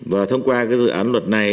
và thông qua cái dự án luật này